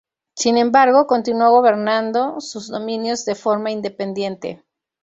Sin embargo, continuó gobernando sus dominios de forma independiente.